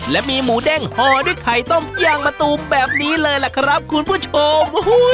และมีหมูเด้งห่อด้วยไข่ต้มย่างมะตูมแบบนี้เลยล่ะครับคุณผู้ชม